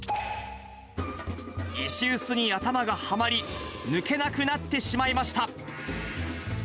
石臼に頭がはまり、抜けなくなってしまいました。